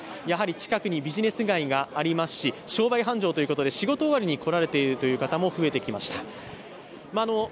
やはり近くにビジネス街がありますし商売繁盛ということで仕事終わりに来られている方も増えてきました。